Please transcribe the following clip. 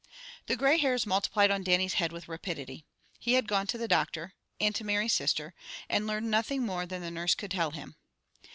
The gray hairs multiplied on Dannie's head with rapidity. He had gone to the doctor, and to Mary's sister, and learned nothing more than the nurse could tell him.